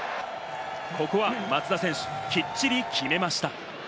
ここは、松田選手きっちり決めました。